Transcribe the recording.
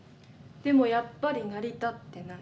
でもやっぱり成り立ってない。